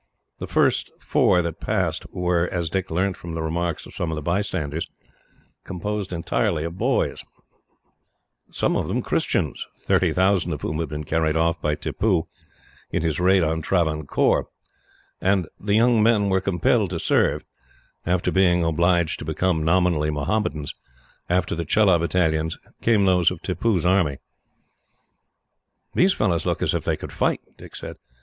The first four that passed were, as Dick learnt from the remarks of some of the bystanders, composed entirely of boys some of them Christians, thirty thousand of whom had been carried off by Tippoo, in his raid on Travancore; and the young men were compelled to serve, after being obliged to become, nominally, Mohammedans. After the Chelah battalions came those of Tippoo's army. "These fellows look as if they could fight," Dick said.